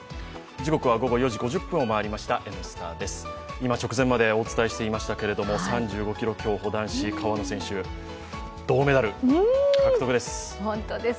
今直前までお伝えしていましたけれども、男子３５ｋｍ競歩、川野選手、銅メダル、獲得です。